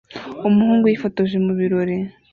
Umuhungu yifotoje mu birori